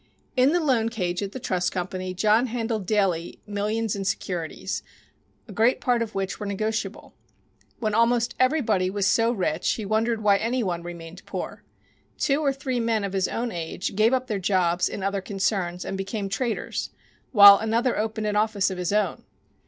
In the "loan cage" at the trust company John handled daily millions in securities, a great part of which were negotiable. When almost everybody was so rich he wondered why any one remained poor. Two or three men of his own age gave up their jobs in other concerns and became traders, while another opened an office of his own.